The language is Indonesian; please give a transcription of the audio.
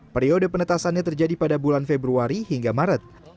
periode penetasannya terjadi pada bulan februari hingga maret